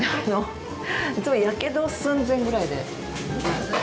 いつも、やけど寸前ぐらいで。